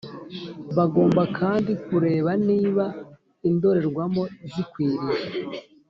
Bagomba kandi kureba niba indorerwamo zikwiriye